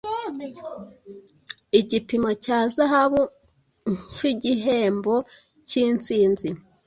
Igipimo cya zahabunkigihembo cyintsinzi